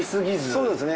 そうですね。